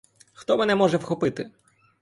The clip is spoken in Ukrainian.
Хто мене може вхопити?